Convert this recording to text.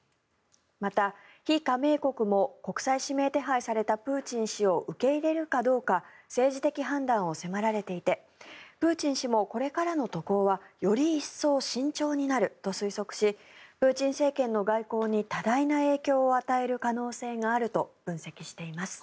また、非加盟国も国際指名手配されたプーチン氏を受け入れるかどうか政治的判断を迫られていてプーチン氏もこれからの渡航はより一層慎重になると推測しプーチン政権の外交に多大な影響を与える可能性があると分析しています。